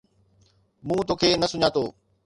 مون توکي نه سڃاتو